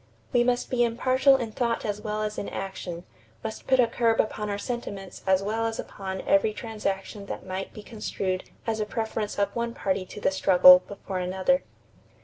We must be impartial in thought as well as in action, must put a curb upon our sentiments as well as upon every transaction that might be construed as a preference of one party to the struggle before another."